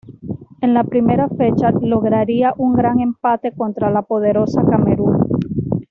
En la primera fecha, lograría un gran empate contra la poderosa Camerún.